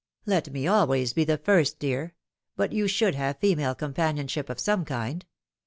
" Let me always be the first, dear ; but you should have female companionship of some kind.